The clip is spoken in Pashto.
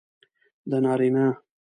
د نارینه